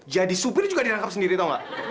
jadi supir juga dirangkap sendiri tau nggak